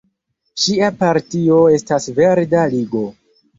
Ŝia partio estas Verda Ligo.